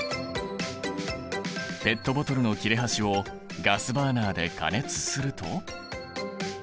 ペットボトルの切れ端をガスバーナーで加熱すると。